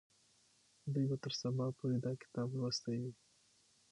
دوی به تر سبا پورې دا کتاب لوستی وي.